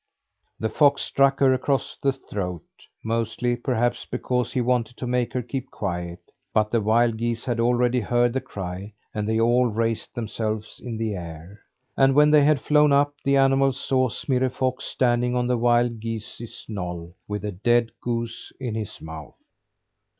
The fox struck her across the throat mostly, perhaps, because he wanted to make her keep quiet but the wild geese had already heard the cry and they all raised themselves in the air. And when they had flown up, the animals saw Smirre Fox standing on the wild geese's knoll, with a dead goose in his mouth.